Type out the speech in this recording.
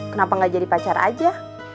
kenapa gak jadi pacar aja